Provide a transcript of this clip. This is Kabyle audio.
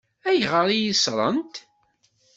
Ayɣer i yi-ṣṣṛent?